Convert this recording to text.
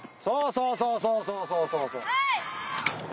そうそうそうそう！」